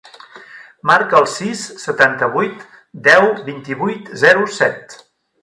Marca el sis, setanta-vuit, deu, vint-i-vuit, zero, set.